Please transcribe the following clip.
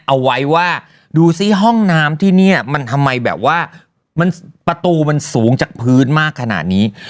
เอาไว้ว่าดูซิห้องน้ำที่นี่มันทำไมแบบว่ามันประตูมันสูงจากพื้นมากขนาดนี้